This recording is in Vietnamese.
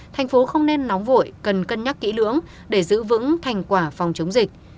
thành phố không nên nóng vội cần cân nhắc kỹ lưỡng để giữ vững thành quả phòng chống dịch